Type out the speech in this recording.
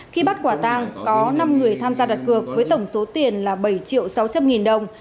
khi bắt quả tang có năm người tham gia đặt cược với tổng số tiền là bảy triệu sáu trăm linh nghìn đồng